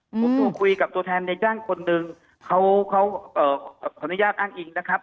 ผมโทรคุยกับตัวแทนในจ้างคนหนึ่งเขาเขาขออนุญาตอ้างอิงนะครับ